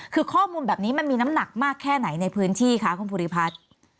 คือข้อมูลแบบนี้มันมีน้ำหนักมากแค่ไหนในพื้นที่คะคุณภูริพัฒน์